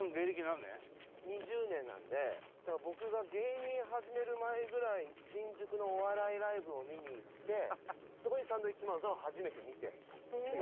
だから僕が芸人始める前ぐらい新宿のお笑いライブを見に行ってそこでサンドウィッチマンさんを初めて見てお客さんで。